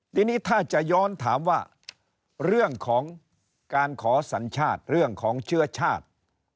ทีนี้ถ้าจะย้อนถามว่าเรื่องของการขอสัญชาติเรื่องของเชื้อชาติ